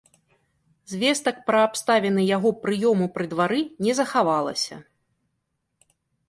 Звестак пра абставіны яго прыёму пры двары не захавалася.